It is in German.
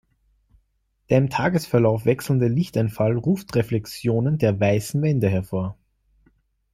Der im Tagesverlauf wechselnde Lichteinfall ruft Reflexionen der weißen Wände hervor.